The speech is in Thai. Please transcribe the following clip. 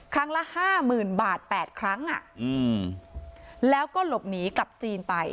ครั้งละห้าหมื่นบาท๘ครั้งแล้วก็หลบหนีกลับจีนไป